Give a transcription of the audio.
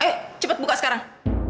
ayo cepat buka sekarang